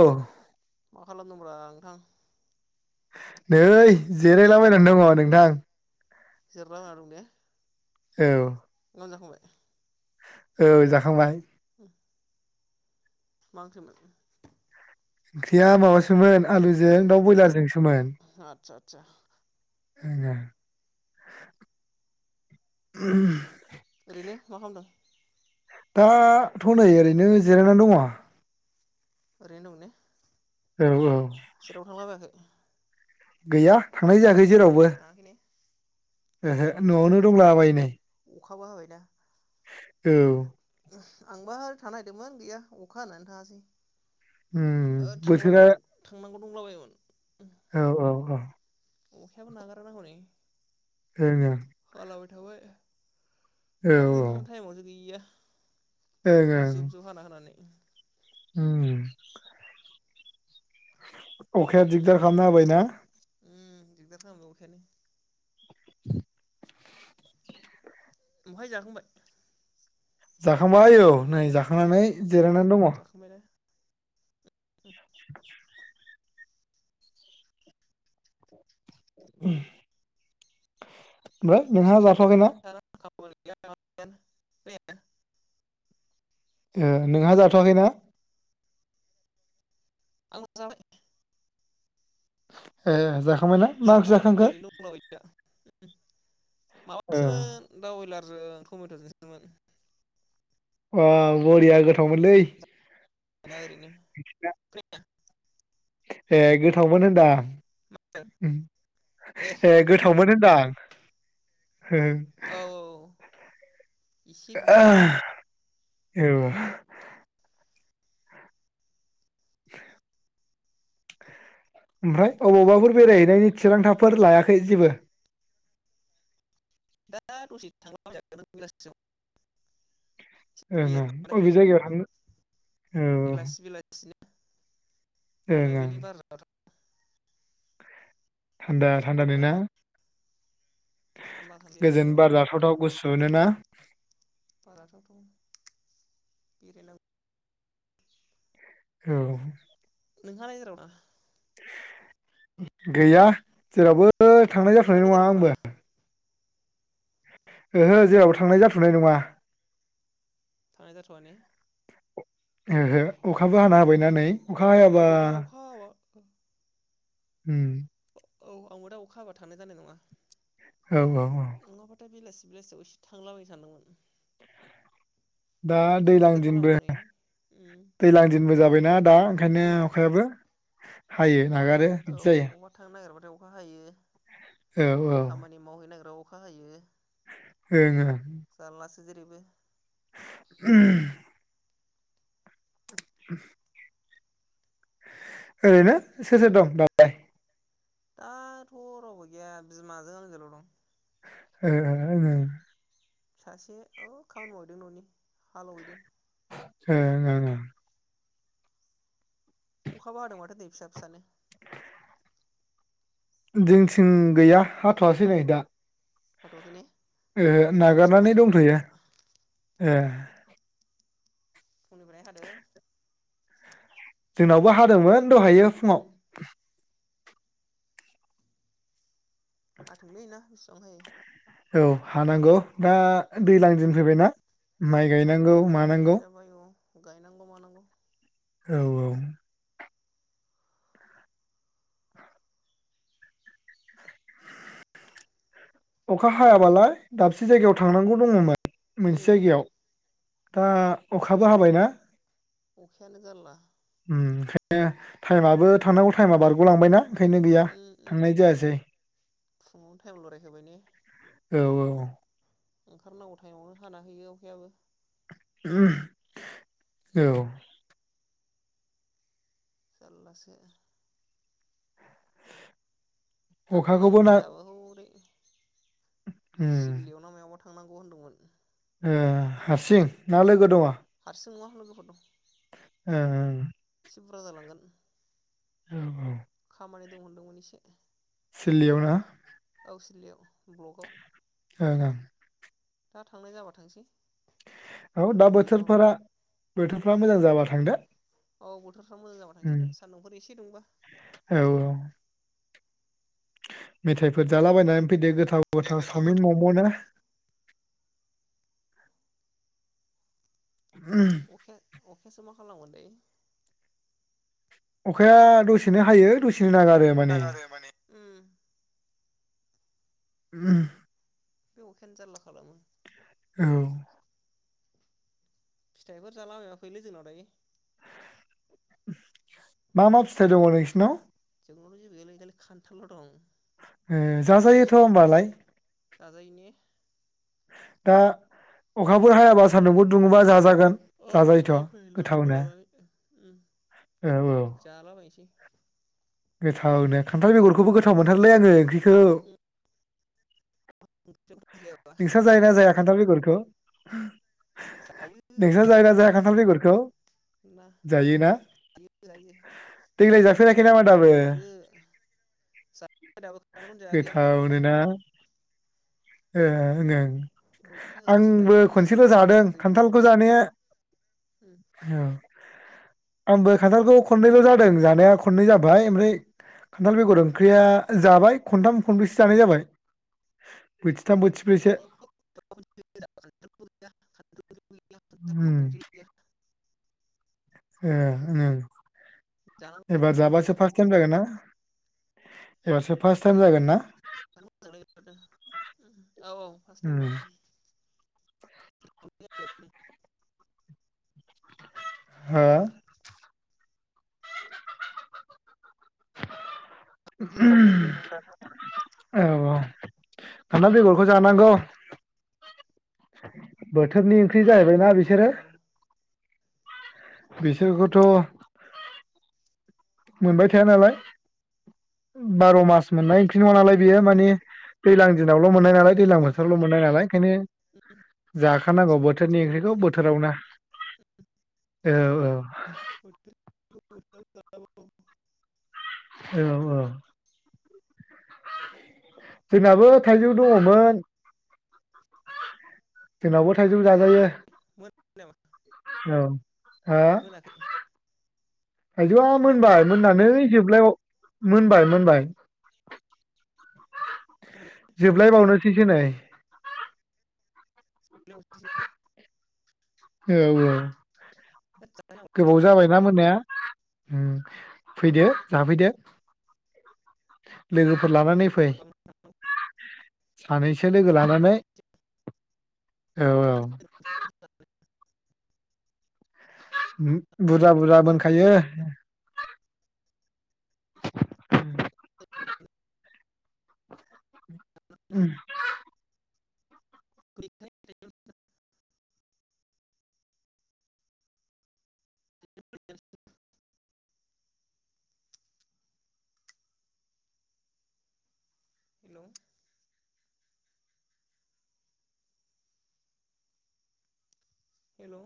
औ मा खालामदोंब्रा नोंथां? नै जिरायला बायना दङ नोंथां। जिरायला बायना दं दे। औ माम जाखांबाय? औ जाखांबाय। [unintelligible] मा ओंख्रिमोन? ख्रिया माबासोमोन आलुजों दाउ बयलारजोंसोमोन। आदसा आदसा [unintelligible] ओरैनो मा खामदों? दा थ' नै ओरैनो जिरायनानै दङ। ओरैनो दं ने? औ औ जेरावबो थांलाबायाखै? गैया थांनाय जायाखै। जेरावबो थाङाखै ने? ओहो न'आवनो दंला बायो नै। अखाबो हाबायना औ आंबा थांनो नायदोंमोन गैया अखा होननानै थाङासै। उम बोथोरा फुंला बायो मानो? औ औ औ अखायाबो नागाराना हनै [unintelligible] हालाबाय थाबाय। औ थांनो ओं ओंखारनाय टाइमावसो गैया। ओं जुब जुब हाना होनानै उम अखाया दिगदार खालामना होबायना? उम दिगदार खालामदो अखायानो [inaudible] [unintelligible] जाखांबाय जाखां बाय औ नै उम जाखांनानै जिरायनानै दङ। जाखांबायना [inaudible] [unintelligible] ओमफ्राय नोंहा ओरैनो जाथ'वाखैना? थाबाय [unintelligible] ओ नोंहा जाथ'वाखैना? आं जाबाय। ए जाख खांबायना मांख्रि जानानै जाखांखो? ओरैनो दंलाबायो दा ओ माबासोमोन दाव‌ बयलार जों टमेटजोंसोमोन। बाव बरिया गोथावमोनलै। दा‌ ओरैनो खोनाया ए गोथावमोन होनदां। ओम ए गोथावमोन होनदां। ओं इसे बिदिनो औ ओमफ्राय अबावबाफोर बेरायहैनायनि थिरांथाफोर लायाखै जेबो? दा दसि थांलाबायजागोनदां बेलासिआव ओं ओं अबि फैसै जायगायाव थांनो? औ औ बेलासि बेलासिनो मोनाबिलि बार जाथाव [inaudible] थान्दा थान्दानिना थान्दा गोजोन बेरायहैयाबाय बार जाथावथाव गुसुनोना बेराला औ नोंहालाय जेरावबो थाङा? गैया जेरावबो बो थांनाय जाथ'नाय नोंहालाय नङा जेरावबो थाङा आंबो। ओहो जेरावबो थांनाय जाथ'नाय नङा। थांनाय जाथ'आ ने? ओहो अखाबो हाना होबायना। नै औ अखा हायाबा। आंबो दा अखा [inaudible] ओम। औ आंबो दा अखा हाबा थांनाया जानाय नङा। औ औ। औ नङाबथाय बेलासि बेलासियाव एसे थांलाबाय थानदोंमोन। दा दैलां दिनबो उम दैज्लां दिनबो जाबायना दा। ओंखायनो अखायाबो। हायो अबेबा थां नागारो बिदि जायो औ बेबा थांनो नागिरबथाय अ अखा हायो। औ खामानि मावहै नागिरबा। अखा हायो। ओं ओं। जारलासो जेरैबो [unintelligible] [unintelligible] ओरैनो सोर सोर दं दालाय। दाथ रावबो गैया बिमाजों आंजोंल दं। [unintelligible] सासे औ खामानि मावहैदों ननि हालेवहैदों। [unintelligible] अखाबो हादों माथो नै फिसा फिसानो। जोंथिं गैया हाथवासै नै दा। हाथवाखै ने। ए जोंनिथिं नागारनानै हादों नै फिसा दंथयो। फिसा ए। फुंनिफ्राय हादों। जोंनावबो हादोंमोन दहायो फुङाव। उम हाथोंलै ना। हायो औ हानांगौ। दा उम दैज्लां दिन फैबायना। माइ गायनांगौ दैज्लां दिन मानांगौ। जाबाय औ गायनांगौ मानांगौ। औ औ। अखा हायाबालाय दाबसे जायगायाव थांनांगौ दङोमोन। मोनसे उम जायगायाव। दा अखाबो हाबायना। अखायानो गारला ओम ओं-खायनो थाइमआबो थांनांगौ थाइमा बारगलांबाय ना ओंखायनो गैया उम उम थांनाय जायासै फुङावनो टाइम लरायखाबाय ने औ औ ओंखारनांगौ थाइमावनो हाना हैयो अखायाबो [unintelligible] औ जारलासो दा थांनांगोन ना जाहाबो हौरै उम सिललि आव ना मायावबा थांनांगौ होन्दोंमोन ओ हारसिं ना लोगो दवा [unintelligible] ओओ थिबुरा जालांगोन ओमह औ औ खामानि दंहोन्दोंमोन इसे सिललियाव ना [unintelligible] ब्लकआव ओं ओं दा थांनाय जाबा थांसै औ दा लोगोफोर लिंहरबा बोथोरफोरा बोथो मोजां जाबा थांदो औ बथोर फ्रा मोजां जाबा थांसै उम दा सान्दुंफोर एसे दुंबा औ औ मेथाइफोर जालाबायनानै फैदो गो गोथाव गोथाव सावमिन म म ना अखे अ खायसो मा खालामोन दै अखाया दसेनो हायो दसे [unintelligible] नागारो माने जागारो माने उम ओमह बे अखायानो जारला खालामो औ फिथाइफोर जालाबायबा फैलै जोंनाव दायो मा मा फिथाइ दङो नोंसिनाव गैलै गैलै खान्थालबो दं ए जाजायोथ होमबालाय जाजायोने दा अखाफोर हायाबा सान्दुंफोर दुङोबा जाजा औ दायो फै लोगोफोर लानानै औ औ जालाबायनोसै गोथावनो खान्थाल बेगरखौबो गोथाव मोनथारोलै आङो ओंख्रि खौ उम ओंख्रियाव गोथाव जायाबा नोंसा जायो ना जाया खान्थाल बेगर खौ जायो नोंसा जायो ना जाया खान्थाल बेगर खौ ना जायो जायो देग्लाय जाफेराखै नामा ना दाबो होलायबावदो जायाखै दाबो ओंखामखौनो जायाखै आं दाबो गोथावनो ना ओ ओं ओं मैथा होस्रोलायदो आंबो एसे खनसेल जादों गोखैनो खान्थालखौ जानाया औ आंबो खान्थालखौ खननैल जादों जानाया खननै जाबाय ओमफ्राय खान्थाल बेगर ओंख्रिया जाबाय खन्थाम खन्ब्रैसो जानाय जाबाय बि [unintelligible] ब्रैसो उम ए ओम जानांगौ र' एबार जाबासो फार्स टाइम जागोन ना [unintelligible] एबारसो फार्स्ट टाइम जागोन ना औ औ फार्स्ट टाइम [inaudible] हा? [unintelligible] औ औ खान्थाल बेगरखौ जानांगौ। बोथोरनि ओंख्रि जाहैबायना बिसोरो जानांगौ बिसोरखौथ' मोनबाय थाया नालाय बार मास मोननाय ओंख्रि नङा नालाय बेयो माने दैज्लां दिनावल मोन नालाय दैज्लां बोथोरावल मोनो नालाय ओंखायनो जाखानांगौ बोसोराव बोथोरनि खनसेल' मोनो ओंख्रिखौ जाहैबाय बोथोरावनो औ औ औ औ जोंनाबो थाइजौ दङमोन जोंनावबो थाइजौ जाजायो मोनाखै नामा औ मोनाखै थायजौआ मोनबाय मोननानै जोबलाय मोनबाय मोनबाय जोबलायबावनोसैसो नै [inaudible] [unintelligible] गोबाव जाहैनांगौ जाबायना मोननाया? हम फैदो जाफैदो लोगोफोर लानानै फै जाहैनांगौ सानैसो लोगो लानानै औ औ उम बुरजा बुरजा मोनखायो। उम [inaudible] [inaudible] हेलो हेलो।